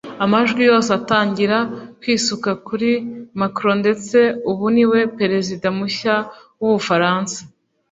amajwi yose atangira kwisuka kuri Macron ndetse ubu niwe Perezida mushya w’ubufaransa